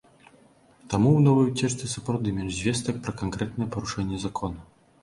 Таму ў новай уцечцы сапраўды менш звестак пра канкрэтныя парушэнні закона.